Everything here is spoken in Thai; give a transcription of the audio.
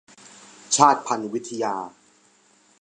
ชาติพันธุ์วิทยา